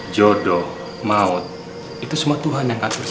jodoh maut itu semua tuhan yang akan bersih